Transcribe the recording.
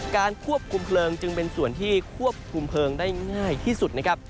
ควบคุมเพลิงจึงเป็นส่วนที่ควบคุมเพลิงได้ง่ายที่สุดนะครับ